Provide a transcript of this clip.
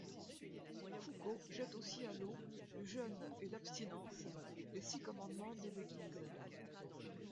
Foucault jette aussi à l'eau le jeûne et l'abstinence, les six commandements de l'Église.